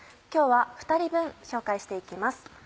今日は２人分紹介して行きます。